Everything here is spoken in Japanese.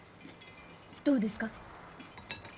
どうですか？